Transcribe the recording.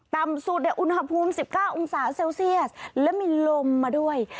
ตามสูตรอุณหภูมิ๑๙องศาเซลเซียสแล้วมีลมมาด้วย